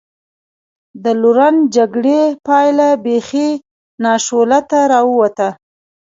د لورن جګړې پایله بېخي ناشولته را ووته.